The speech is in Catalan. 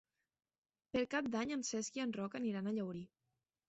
Per Cap d'Any en Cesc i en Roc aniran a Llaurí.